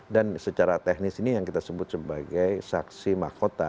dan secara teknis ini yang kita sebut sebagai saksi makota